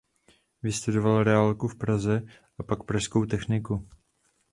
Vystudoval reálku v Praze a pak pražskou techniku.